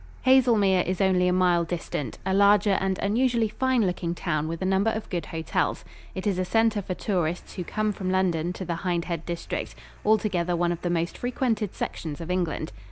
Haselmere is only a mile distant a larger and unusually fine looking town with a number of good hotels. It is a center for tourists who come from London to the Hindhead District altogether one of the most frequented sections of England.